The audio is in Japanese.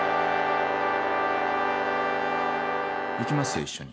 行きますよ一緒に。